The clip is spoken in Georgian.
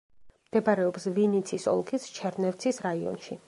მდებარეობს ვინიცის ოლქის ჩერნევცის რაიონში.